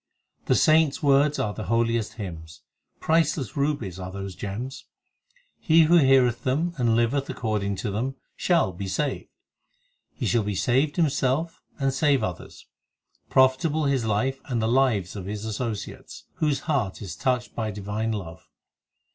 3 The saints words are the holiest hymns ; Priceless rubies are those gems ; He who heareth them and liveth according to them shall be saved ; He shall be saved himself and save others ; Profitable his life and the lives of his associates, Whose heart is touched by divine love.